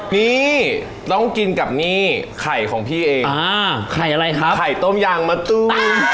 นี่ต้องกินกับนี่ไข่ของพี่เองอ่าไข่อะไรครับไข่ต้มยางมะตูม